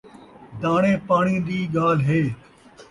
داݨے پاݨی دی ڳالھ ہے